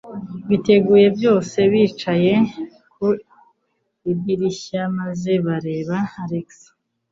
Biteguye byose, bicaye ku idirishya maze bareba Alex.